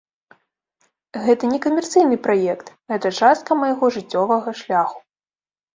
Гэта не камерцыйны праект, гэта частка майго жыццёвага шляху.